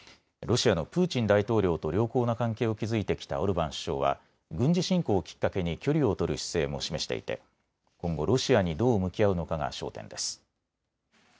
ロシアのプーチン大統領と良好な関係を築いてきたオルバン首相は軍事侵攻をきっかけに距離を取る姿勢も示していて今後、ロシアにどう向き合うのかが焦点です。